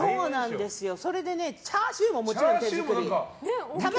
チャーシューももちろん手作り。